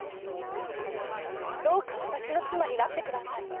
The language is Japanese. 「どうかわたしのつまになってください」。